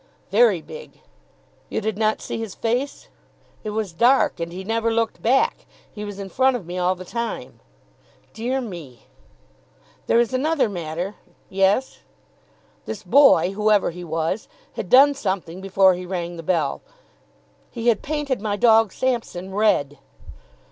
"Very big." "You did not see his face?" "It was dark and he never looked back he was in front of me all the time." "Dear me!" "There is another matter " "Yes?" "This boy, whoever he was, had done something before he rang the bell he had painted my dog Sampson red."